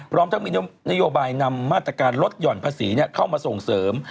พร้อมทั้งมีนโยบายนำมาตรการลดหย่อนภาษีเข้ามาส่งเสริม